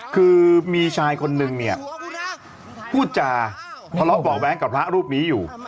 คือมีชายคนหนึ่งนี่ผู้จ่าขอบบอกแว้งกับพระรูปนี้อยู่